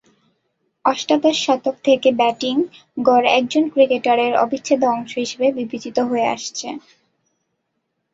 অষ্টাদশ শতক থেকে ব্যাটিং গড় একজন ক্রিকেটারের অবিচ্ছেদ্য অংশ হিসেবে বিবেচিত হয়ে আসছে।